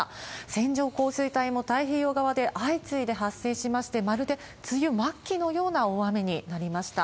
線状降水帯も太平洋側で相次いで発生しまして、まるで梅雨末期のような大雨になりました。